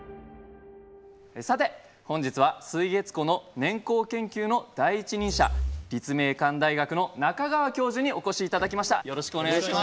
さて本日は水月湖の年縞研究の第一人者立命館大学の中川教授にお越し頂きました。